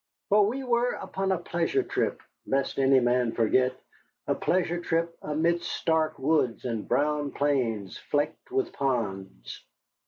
For we were upon a pleasure trip lest any man forget, a pleasure trip amidst stark woods and brown plains flecked with ponds.